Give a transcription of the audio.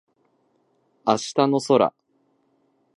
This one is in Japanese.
明日の空